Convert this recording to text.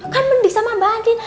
kan mending sama mbak andin